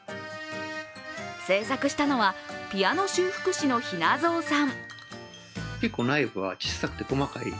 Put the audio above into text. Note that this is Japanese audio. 製作したのは、ピアノ修復師のヒナぞーさん。